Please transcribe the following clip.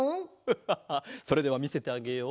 ハハハそれではみせてあげよう。